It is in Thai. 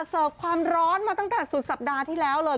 เสิร์ฟความร้อนมาตั้งแต่สุดสัปดาห์ที่แล้วเลย